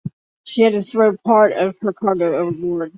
She had had to throw part of her cargo overboard.